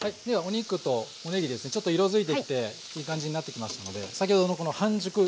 ではお肉とおねぎですねちょっと色づいてきていい感じになってきましたので先ほどの半熟